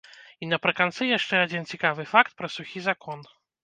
І напрыканцы яшчэ адзін цікавы факт пра сухі закон.